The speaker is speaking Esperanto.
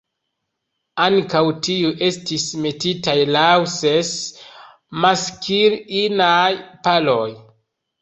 Ankaŭ tiuj estis metitaj laŭ ses maskl-inaj paroj.